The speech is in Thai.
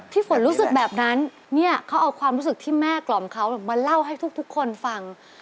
ฝนรู้สึกแบบนั้นเนี่ยเขาเอาความรู้สึกที่แม่กล่อมเขามาเล่าให้ทุกคนฟัง